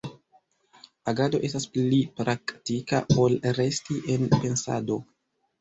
Agado estas pli praktika ol resti en pensado.